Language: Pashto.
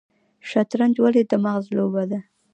شطرنج ولې د مغز لوبه ده؟